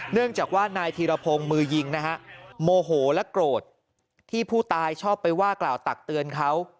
เนื่องจากว่านายธีรพงศ์มือยิงนะฮะโมโหและโกรธที่ผู้ตายชอบไปว่ากล่าวตักเตือนเขา